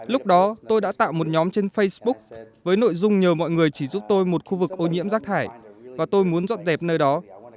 lúc đó tôi đã tạo một nhóm trên facebook với nội dung nhờ mọi người chỉ giúp tôi một khu vực ô nhiễm rác thải và tôi muốn dọn dẹp nơi đó